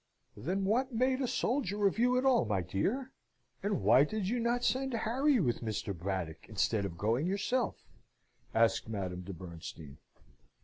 "Then what made a soldier of you at all, my dear? And why did you not send Harry with Mr. Braddock, instead of going yourself?" asked Madame de Bernstein.